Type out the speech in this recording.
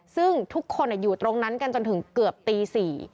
ซึ่งทุกคนอยู่ตรงนั้นกันจนถึงเกือบตี๔